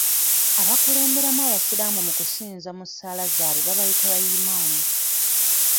Abakulemberamu abasiraamu mu kusinza mu ssaala zaabwe babayita yimaamu.